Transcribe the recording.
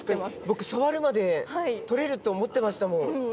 僕触るまで取れると思ってましたもん。